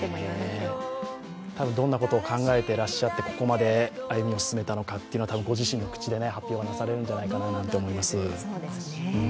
どんなことを考えてらっしゃって、ここまで歩みを進めたのかはご自身の口で発表がなされるんじゃないかなと思います。